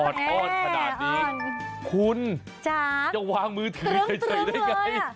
อ้อนขนาดนี้คุณจะวางมือถือเฉยได้ไง